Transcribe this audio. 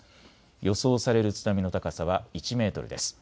予想される津波の高さは１メートルです。